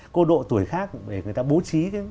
cô độ tuổi khác để người ta bố trí